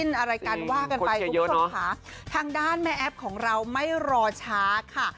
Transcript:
ดอมกลมลอกกับพากันจิ้นทางด้านแม่แอปของเราม่อยรอช้าค่ะ